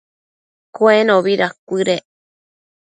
Cuenobi dacuëdec